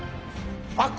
あっ！